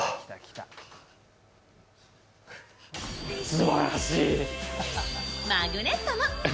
すばらしい。